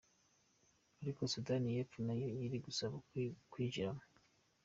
Ariko Sudani y’Epfo nayo iri gusaba kuwinjiramo.